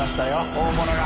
大物が。